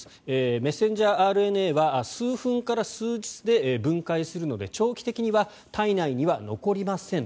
メッセンジャーＲＮＡは数分から数日で分解するので長期的には体内には残りません。